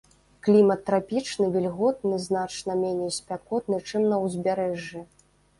Клімат трапічны вільготны, значна меней спякотны, чым на ўзбярэжжы.